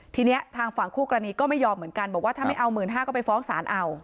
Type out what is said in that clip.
ทีนี้ทางฝั่งคู่กรณีก็ไม่ยอมเหมือนกันบอกว่าถ้าไม่เอา๑๕๐๐ก็ไปฟ้องศาลเอา